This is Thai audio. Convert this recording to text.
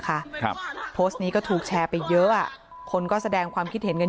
ครับโพสต์นี้ก็ถูกแชร์ไปเยอะอ่ะคนก็แสดงความคิดเห็นกัน